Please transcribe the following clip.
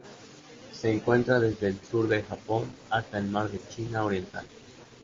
Se encuentra desde el sur del Japón hasta el Mar de China Oriental.